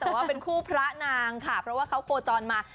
แต่ว่าเป็นคู่พระนางค่ะเพราะว่าเขาโคจรมา